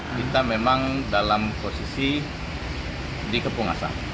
kita memang dalam posisi dikepung asap